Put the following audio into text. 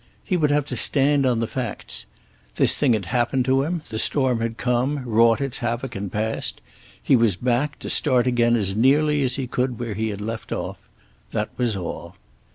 He would have to stand on the facts. This thing had happened to him; the storm had come, wrought its havoc and passed; he was back, to start again as nearly as he could where he had left off. That was all.